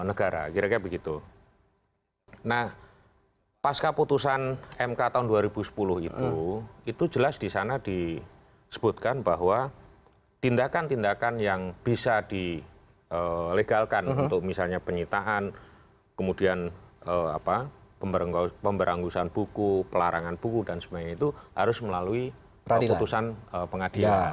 negara kira kira begitu nah pasca putusan mk tahun dua ribu sepuluh itu itu jelas di sana disebutkan bahwa tindakan tindakan yang bisa dilegalkan untuk misalnya penyitaan kemudian pemberangusan buku pelarangan buku dan sebagainya itu harus melalui putusan pengadilan